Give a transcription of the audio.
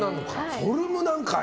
フォルムなんかい！